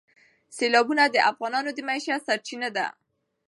سیلابونه د افغانانو د معیشت سرچینه ده.